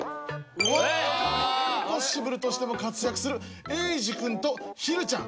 インポッシブルとしても活躍するえいじくんとひるちゃん。